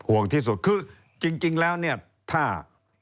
ห่วงที่สุดคือจริงแล้วถ้า